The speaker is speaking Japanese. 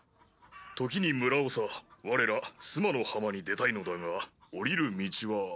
時に村長我ら須磨の浜に出たいのだが下りる道は。